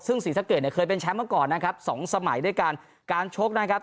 ซึ่งศรีสะเกดเนี่ยเคยเป็นแชมป์มาก่อนนะครับสองสมัยด้วยกันการชกนะครับ